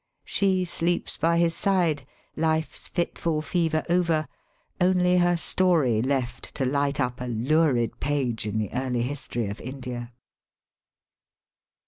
She sleeps by his side, life's fitful fever over, only her story left to Hght up a lurid page in the early history of India.